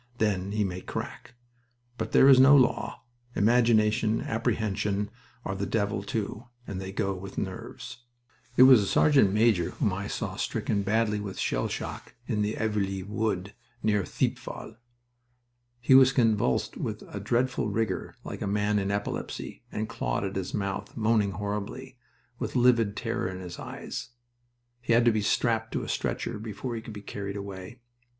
Then he may crack. But there is no law. Imagination apprehension are the devil, too, and they go with 'nerves.'" It was a sergeant major whom I saw stricken badly with shell shock in Aveluy Wood near Thiepval. He was convulsed with a dreadful rigor like a man in epilepsy, and clawed at his mouth, moaning horribly, with livid terror in his eyes. He had to be strapped to a stretcher before he could be carried away.